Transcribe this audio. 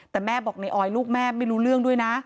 แต่แม่บอกในออยลูกแม่ไม่รู้เรื่องด้วยนะ